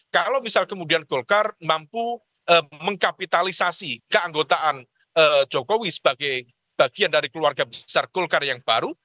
kalau misal kemudian golkar mampu mengkapitalisasi keanggotaan jokowi sebagai bagian dari keluarga besar golkar yang baru